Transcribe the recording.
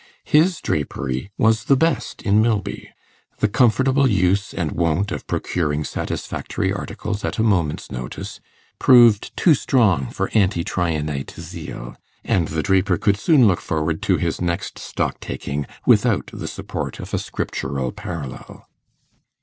His drapery was the best in Milby; the comfortable use and wont of procuring satisfactory articles at a moment's notice proved too strong for Anti Tryanite zeal; and the draper could soon look forward to his next stock taking without the support of a Scriptural parallel.